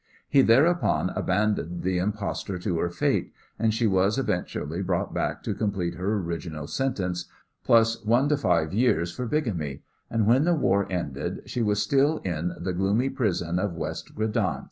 He thereupon abandoned the impostor to her fate, and she was eventually sent back to complete her original sentence, plus one of five years, for bigamy, and when the war ended she was still in the gloomy prison of West Gradenz.